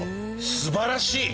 素晴らしい！